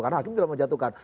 karena hakim tidak menjatuhkan